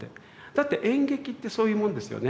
だって演劇ってそういうもんですよね。